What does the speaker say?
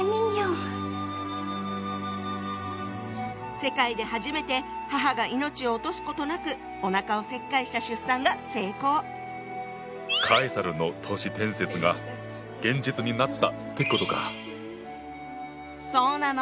世界で初めて母が命を落とすことなくカエサルの都市伝説が現実になったってことか⁉そうなの。